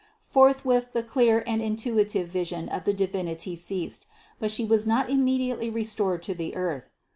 Forthwith the clear and intuitive vision THE CONCEPTION 341 of the Divinity ceased, but She was not immediately re stored to the earth.